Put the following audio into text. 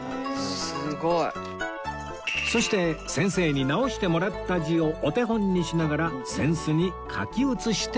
そして先生に直してもらった字をお手本にしながら扇子に書き写していきます